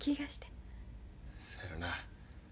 そやろな。